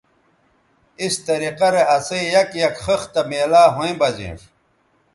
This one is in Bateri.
اِس طریقہ رے اسئ یک یک خِختہ میلاو ھویں بہ زینݜ